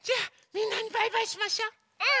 うん！